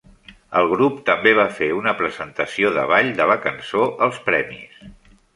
El grup també va fer una presentació de ball de la cançó als premis.